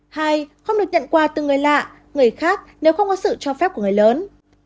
hai không được nhận quà từ người lạ người khác nếu không có sự cho phép của người lớn